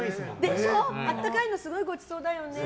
あったかいのすごいごちそうだよね。